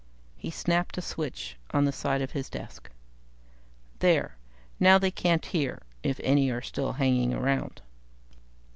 He snapped a switch on the side of his desk. "There; now they can't hear if any are still hanging around."